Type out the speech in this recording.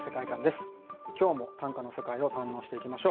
今日も短歌の世界を堪能していきましょう。